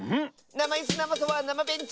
なまイスなまそばなまベンチ！